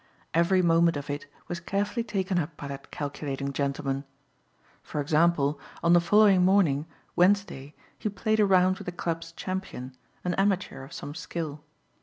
Every moment of it was carefully taken up by that calculating gentleman. For example, on the following morning, Wednesday he played a round with the club's champion, an amateur of some skill.